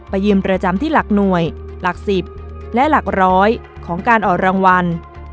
ยืมประจำที่หลักหน่วยหลัก๑๐และหลักร้อยของการออกรางวัล